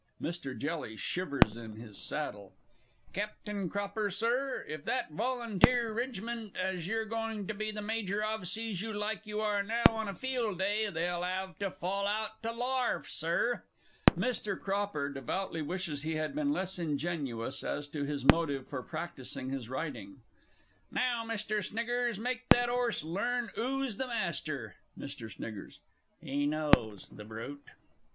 (Mr. Jelly shivers in his saddle.) Captin' Cropper, Sir; if that Volunteer ridgment as you're goin' to be the Major of sees you like you are now, on a field day they'll 'ave to fall out to larf, Sir! (Mr. Cropper devoutly wishes he had been less ingenuous as to his motive for practising his riding.) Now, Mr. Sniggers, make that 'orse learn 'oo's the master! [Mr. S. "He knows, the brute!"